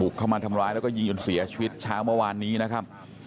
เข้ามาทำร้ายแล้วก็ยิงจนเสียชีวิตเช้าเมื่อวานนี้นะครับ